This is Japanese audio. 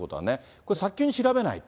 これ、早急に調べないと。